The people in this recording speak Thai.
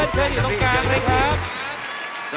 เชิญอยู่ตรงกลางเลยครับ